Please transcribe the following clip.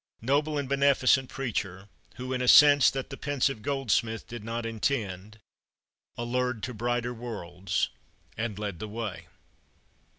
Noble and beneficent preacher, who, in a sense that the pensive Goldsmith did not intend, "Allured to brighter worlds, and led the way."